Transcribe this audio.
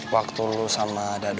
waktu lu sama dadu